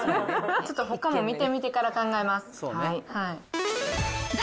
ちょっとほかも見てみてから考えます。